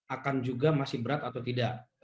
akan juga masih berat atau tidak